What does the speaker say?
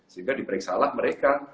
sehingga diperiksalah mereka